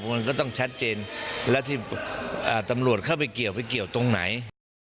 มันก็ต้องชัดเจนและที่ตำรวจเข้าไปเกี่ยวตรงไหน